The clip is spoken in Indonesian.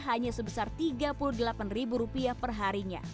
hanya sebesar tiga puluh delapan rupiah perharinya